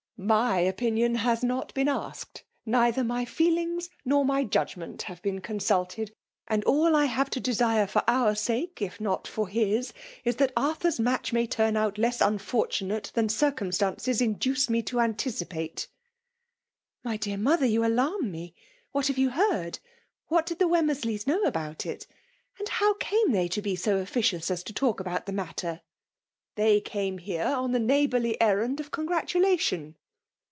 ^ My opinion has not been asked ; neither my feel ings nor my judgment hare been consulted; ftod all I have to desire for our sake, if i&ot tog 1^. FSMALR XK>M1NA<X!I0N. hi9» iui that Arthur's mtitch may turn put less unfortunate than circumstances induce me to anticipate." ,..*' My dear mother> you al^m me ! What have you heard ? What did the Wemmeiw . leys knowabout.it? And how came thi^yto be 90 officious as to talk about the matter V " They came here on the neighbo.urly errwd of congratulation.